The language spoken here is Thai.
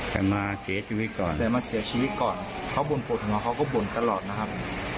แต่มาเสียชีวิตก่อนเขาบลวนโปรธันวนเขาก็บลวนตลอดนะครับ